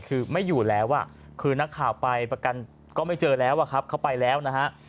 คือไม่อยู่แล้วคือนักข่าวไปประกันก็ไม่เจอแล้วอะครับเขาไปแล้วนะฮะ